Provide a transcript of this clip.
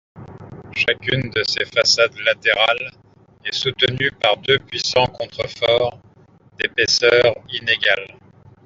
Chacune de ses façades latérales est soutenue par deux puissants contreforts d'épaisseur inégale.